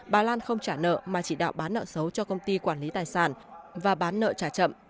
bà lan không trả nợ mà chỉ đạo bán nợ xấu cho công ty quản lý tài sản và bán nợ trả chậm